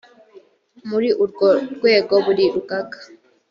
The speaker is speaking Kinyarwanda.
muri urwo rwego buri rugaga